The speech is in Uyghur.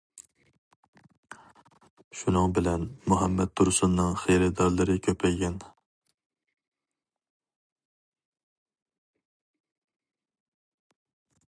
شۇنىڭ بىلەن مۇھەممەت تۇرسۇننىڭ خېرىدارلىرى كۆپەيگەن.